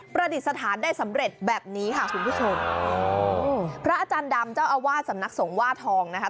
ประดิษฐานได้สำเร็จแบบนี้ค่ะคุณผู้ชมพระอาจารย์ดำเจ้าอาวาสสำนักสงฆ์ว่าทองนะคะ